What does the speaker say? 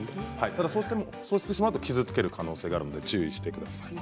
そうしてしまうと傷つける可能性があるので注意してください。